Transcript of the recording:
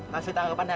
kasih tanggapan dari